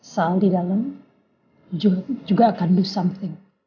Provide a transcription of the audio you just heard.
saul di dalam juga akan melakukan sesuatu